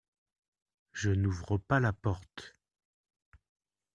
Je n’ouvre pas la porte.